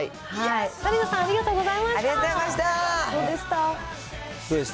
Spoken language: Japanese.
紗理奈さん、ありがとうございました。